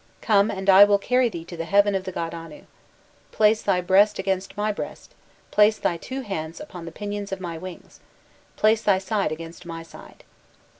Come, and I will carry thee to the heaven of the god Anu. Place thy breast against my breast place thy two hands upon the pinions of my wings place thy side against my side.